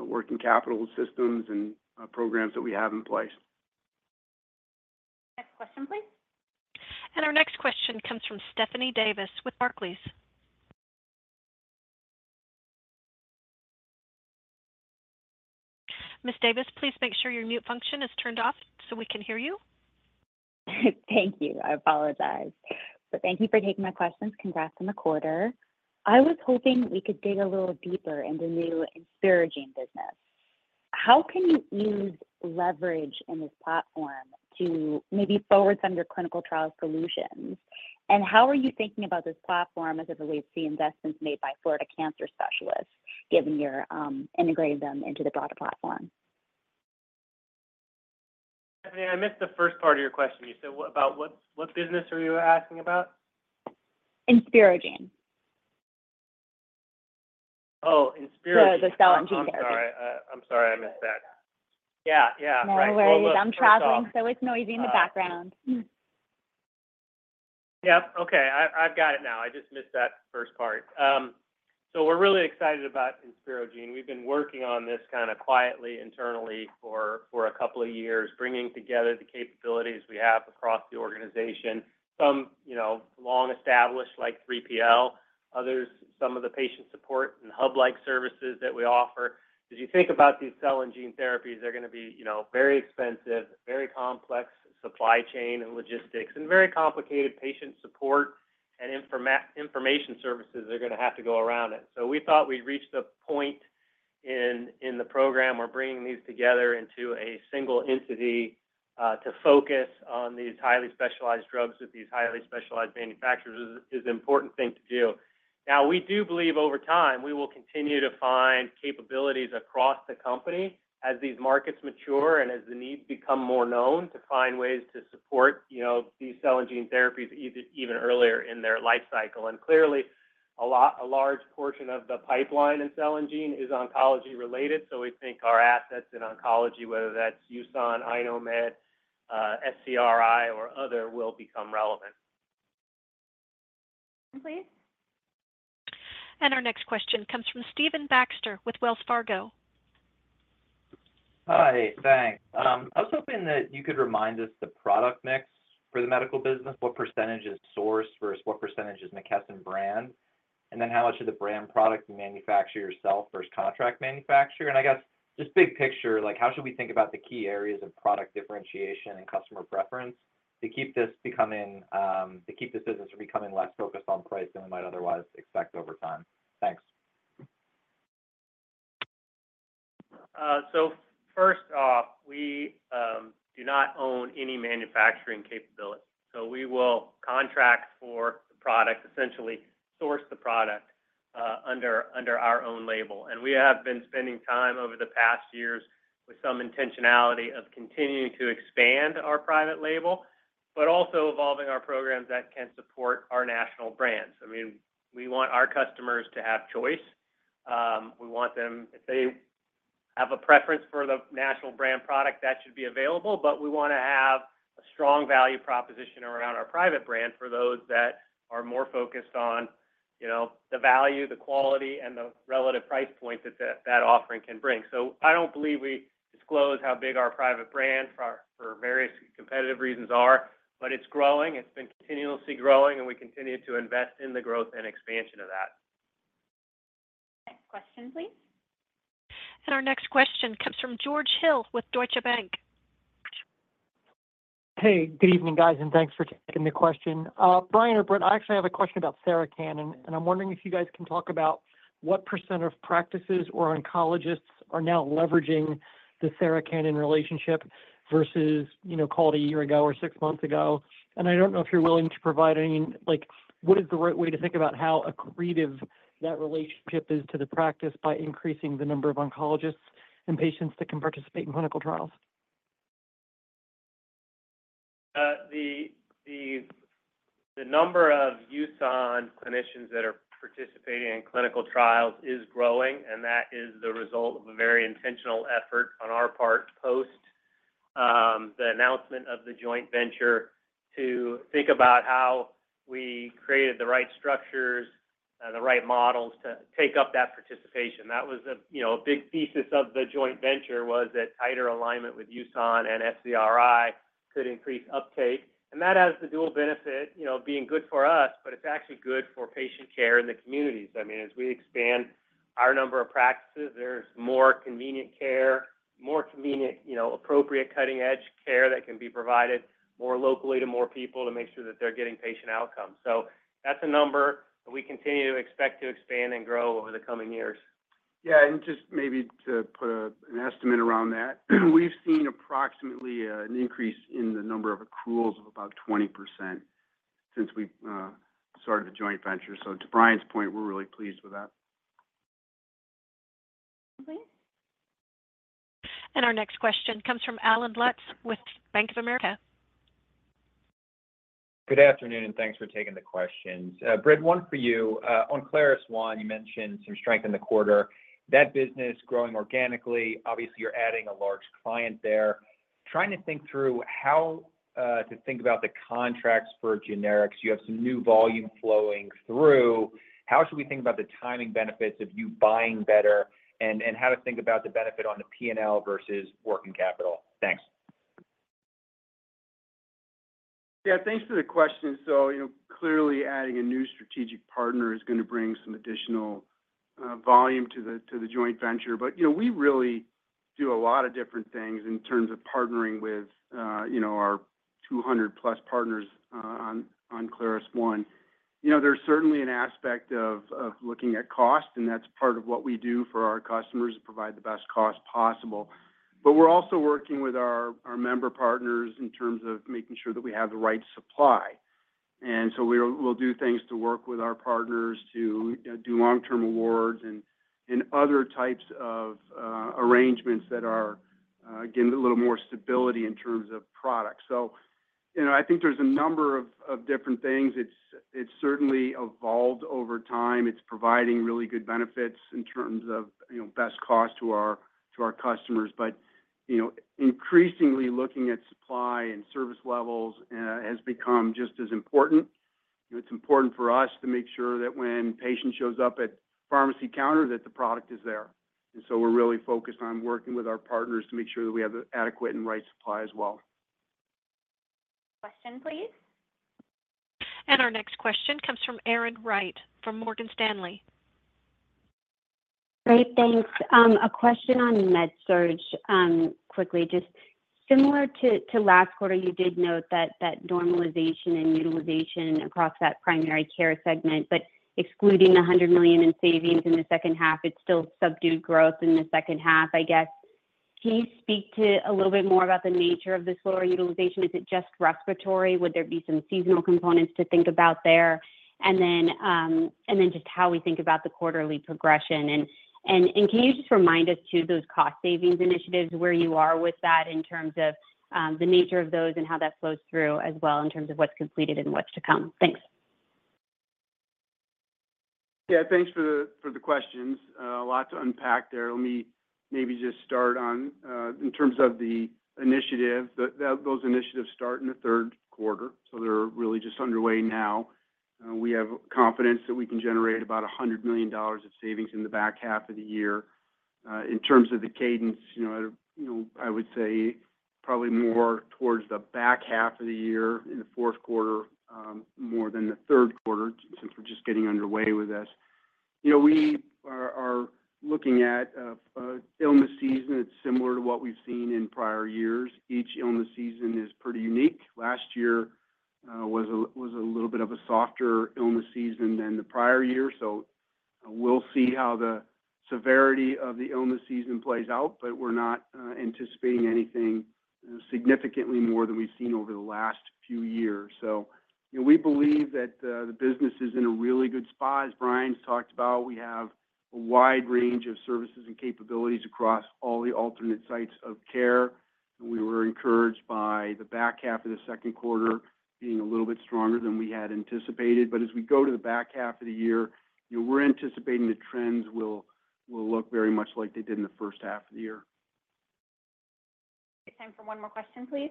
working capital systems and programs that we have in place. Next question, please. And our next question comes from Stephanie Davis with Barclays. Ms. Davis, please make sure your mute function is turned off so we can hear you. Thank you. I apologize. But thank you for taking my questions. Congrats on the quarter. I was hoping we could dig a little deeper into the new InspireGene business. How can you use leverage in this platform to maybe forward some of your clinical trial solutions? And how are you thinking about this platform as it relates to the investments made by Florida Cancer Specialists given you're integrating them into the broader platform? Stephanie, I missed the first part of your question. You said about what business are you asking about? InspireGene. Oh, InspireGene. The cell and gene therapy. I'm sorry. I'm sorry. I missed that. Yeah. Yeah. Right. No worries. I'm traveling, so it's noisy in the background. Yep. Okay. I've got it now. I just missed that first part. So we're really excited about InspireGene. We've been working on this kind of quietly internally for a couple of years, bringing together the capabilities we have across the organization. Some long-established like 3PL, others, some of the patient support and hub-like services that we offer. As you think about these cell and gene therapies, they're going to be very expensive, very complex supply chain and logistics, and very complicated patient support and information services that are going to have to go around it. So we thought we'd reached the point in the program where bringing these together into a single entity to focus on these highly specialized drugs with these highly specialized manufacturers is an important thing to do. Now, we do believe over time we will continue to find capabilities across the company as these markets mature and as the needs become more known to find ways to support these cell and gene therapies even earlier in their life cycle. And clearly, a large portion of the pipeline in cell and gene is oncology-related. So we think our assets in oncology, whether that's USON, iKnowMed, SCRI, or other, will become relevant. Please. And our next question comes from Stephen Baxter with Wells Fargo. Hi. Thanks. I was hoping that you could remind us the product mix for the medical business, what percentage is source versus what percentage is McKesson brand, and then how much of the brand product you manufacture yourself versus contract manufacture. I guess just big picture, how should we think about the key areas of product differentiation and customer preference to keep this business from becoming less focused on price than we might otherwise expect over time? Thanks. First off, we do not own any manufacturing capability. We will contract for the product, essentially source the product under our own label. We have been spending time over the past years with some intentionality of continuing to expand our private label, but also evolving our programs that can support our national brands. I mean, we want our customers to have choice. We want them, if they have a preference for the national brand product, that should be available. We want to have a strong value proposition around our private brand for those that are more focused on the value, the quality, and the relative price point that that offering can bring. So I don't believe we disclose how big our private brand for various competitive reasons are, but it's growing. It's been continuously growing, and we continue to invest in the growth and expansion of that. Next question, please. Our next question comes from George Hill with Deutsche Bank. Hey, good evening, guys, and thanks for taking the question. Brian or Britt, I actually have a question about Sarah Cannon, and I'm wondering if you guys can talk about what percent of practices or oncologists are now leveraging the Sarah Cannon relationship versus, call it, a year ago or six months ago. I don't know if you're willing to provide any—what is the right way to think about how accretive that relationship is to the practice by increasing the number of oncologists and patients that can participate in clinical trials? The number of USON clinicians that are participating in clinical trials is growing, and that is the result of a very intentional effort on our part post the announcement of the joint venture to think about how we created the right structures and the right models to take up that participation. That was a big thesis of the joint venture, was that tighter alignment with USON and SCRI could increase uptake. That has the dual benefit of being good for us, but it's actually good for patient care in the communities. I mean, as we expand our number of practices, there's more convenient care, more convenient, appropriate cutting-edge care that can be provided more locally to more people to make sure that they're getting patient outcomes. So that's a number that we continue to expect to expand and grow over the coming years. Yeah. And just maybe to put an estimate around that, we've seen approximately an increase in the number of accruals of about 20% since we started the joint venture. So to Brian's point, we're really pleased with that. Please. And our next question comes from Allen Lutz with Bank of America. Good afternoon, and thanks for taking the questions. Britt, one for you. On ClarusONE, you mentioned some strength in the quarter. That business growing organically, obviously, you're adding a large client there. Trying to think through how to think about the contracts for generics. You have some new volume flowing through. How should we think about the timing benefits of you buying better and how to think about the benefit on the P&L versus working capital? Thanks. Yeah. Thanks for the question. So clearly, adding a new strategic partner is going to bring some additional volume to the joint venture. But we really do a lot of different things in terms of partnering with our 200+ partners on ClarusONE. There's certainly an aspect of looking at cost, and that's part of what we do for our customers is provide the best cost possible. But we're also working with our member partners in terms of making sure that we have the right supply. And so we'll do things to work with our partners to do long-term awards and other types of arrangements that are, again, a little more stability in terms of product. So I think there's a number of different things. It's certainly evolved over time. It's providing really good benefits in terms of best cost to our customers. But increasingly, looking at supply and service levels has become just as important. It's important for us to make sure that when a patient shows up at the pharmacy counter, that the product is there. And so we're really focused on working with our partners to make sure that we have adequate and right supply as well. Question, please. And our next question comes from Erin Wright from Morgan Stanley. Great. Thanks. A question on Med-Surg quickly. Just similar to last quarter, you did note that normalization and utilization across that primary care segment, but excluding the $100 million in savings in the second half, it's still subdued growth in the second half, I guess. Can you speak to a little bit more about the nature of this lower utilization? Is it just respiratory? Would there be some seasonal components to think about there? And then just how we think about the quarterly progression. And can you just remind us too of those cost savings initiatives, where you are with that in terms of the nature of those and how that flows through as well in terms of what's completed and what's to come? Thanks. Yeah. Thanks for the questions. A lot to unpack there. Let me maybe just start on in terms of the initiative. Those initiatives start in the third quarter, so they're really just underway now. We have confidence that we can generate about $100 million of savings in the back half of the year. In terms of the cadence, I would say probably more towards the back half of the year in the fourth quarter more than the third quarter since we're just getting underway with this. We are looking at an illness season that's similar to what we've seen in prior years. Each illness season is pretty unique. Last year was a little bit of a softer illness season than the prior year. So we'll see how the severity of the illness season plays out, but we're not anticipating anything significantly more than we've seen over the last few years. So we believe that the business is in a really good spot, as Brian's talked about. We have a wide range of services and capabilities across all the alternate sites of care. We were encouraged by the back half of the second quarter being a little bit stronger than we had anticipated. But as we go to the back half of the year, we're anticipating the trends will look very much like they did in the first half of the year. Time for one more question, please.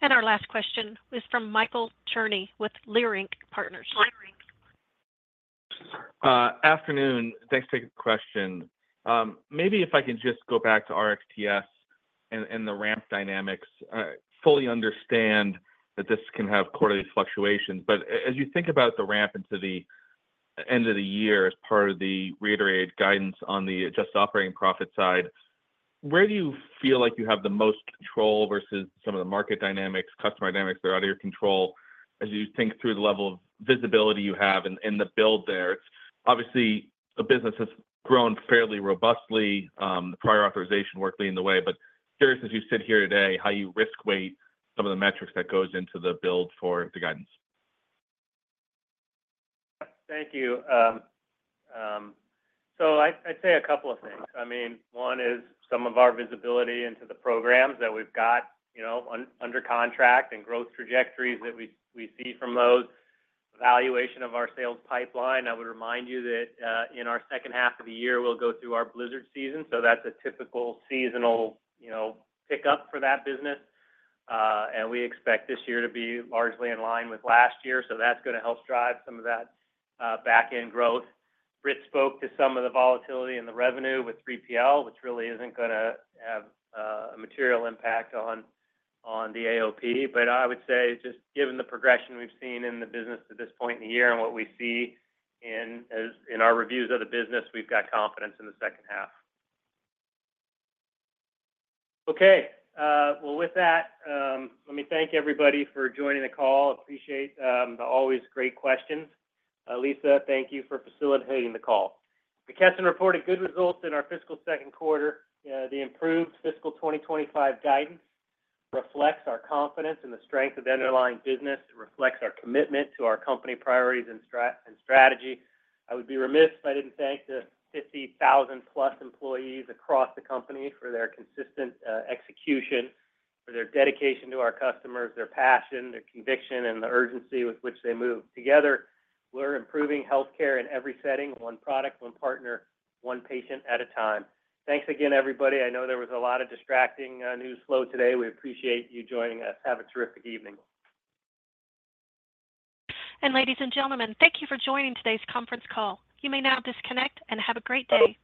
And our last question is from Michael Cherny with Leerink Partners. Afternoon. Thanks for taking the question. Maybe if I can just go back to RxTS and the ramp dynamics, I fully understand that this can have quarterly fluctuations. But as you think about the ramp into the end of the year as part of the reiterated guidance on the adjusted operating profit side, where do you feel like you have the most control versus some of the market dynamics, customer dynamics that are out of your control as you think through the level of visibility you have and the build there? Obviously, the business has grown fairly robustly. The prior authorization work being in the way, but curious, as you sit here today, how you risk-weight some of the metrics that go into the build for the guidance. Thank you. So I'd say a couple of things. I mean, one is some of our visibility into the programs that we've got under contract and growth trajectories that we see from those, evaluation of our sales pipeline. I would remind you that in our second half of the year, we'll go through our flu season. So that's a typical seasonal pickup for that business. And we expect this year to be largely in line with last year. So that's going to help drive some of that back-end growth. Britt spoke to some of the volatility in the revenue with 3PL, which really isn't going to have a material impact on the AOP. But I would say just given the progression we've seen in the business at this point in the year and what we see in our reviews of the business, we've got confidence in the second half. Okay. Well, with that, let me thank everybody for joining the call. Appreciate the always great questions. Lisa, thank you for facilitating the call. McKesson reported good results in our fiscal second quarter. The improved fiscal 2025 guidance reflects our confidence in the strength of underlying business. It reflects our commitment to our company priorities and strategy. I would be remiss if I didn't thank the 50,000+ employees across the company for their consistent execution, for their dedication to our customers, their passion, their conviction, and the urgency with which they move. Together, we're improving healthcare in every setting, one product, one partner, one patient at a time. Thanks again, everybody. I know there was a lot of distracting news flow today. We appreciate you joining us. Have a terrific evening. And ladies and gentlemen, thank you for joining today's conference call. You may now disconnect and have a great day.